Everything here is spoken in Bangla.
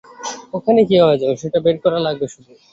ওখানে কীভাবে যাবো, সেটা বের করা লাগবে শুধু।